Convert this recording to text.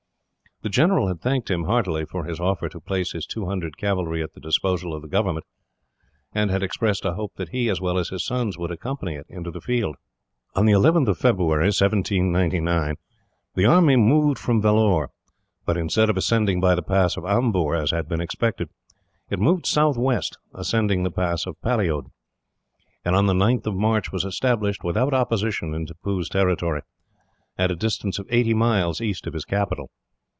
The general had thanked him, heartily, for his offer to place his two hundred cavalry at the disposal of the government, and had expressed a hope that he, as well as his sons, would accompany it in the field. On the 11th of February, 1799, the army moved from Vellore, but instead of ascending by the pass of Amboor, as had been expected, it moved southwest, ascended the pass of Paliode, and on the 9th of March was established, without opposition, in Tippoo's territory, at a distance of eighty miles east of his capital.